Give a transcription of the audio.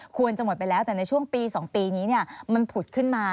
ควรจะหมดไปแล้วแต่ในช่วงปี๒ปีนี้มันผุดขึ้นมา